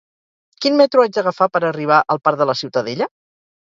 Quin metro haig d'agafar per arribar al Parc de la Ciutadella?